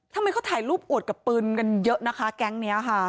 ทำไมเขาถ่ายรูปอวดกับปืนกันเยอะนะคะแก๊งนี้ค่ะ